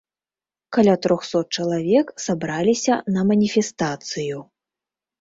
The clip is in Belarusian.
Каля трохсот чалавек сабраліся на маніфестацыю.